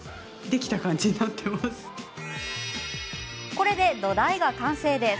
これで土台が完成です。